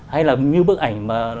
hay là như bức ảnh